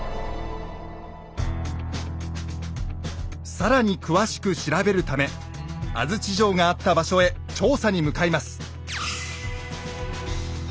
更に詳しく調べるため安土城があった場所へ調査に向かいます。